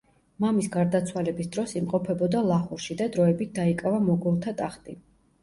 მამის გარდაცვალების დროს იმყოფებოდა ლაჰორში და დროებით დაიკავა მოგოლთა ტახტი.